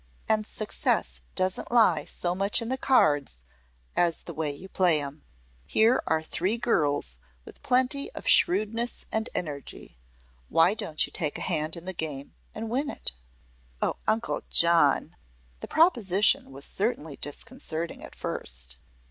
And success doesn't lie so much in the cards as the way you play 'em. Here are three girls with plenty of shrewdness and energy. Why don't you take a hand in the game and win it?" "Oh, Uncle John!" The proposition was certainly disconcerting at first.